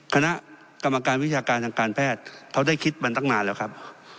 คณะกรรมการวิชาการทางการแพทย์เขาได้คิดมาตั้งนานแล้วครับ